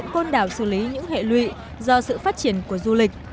côn đảo xử lý những hệ lụy do sự phát triển của du lịch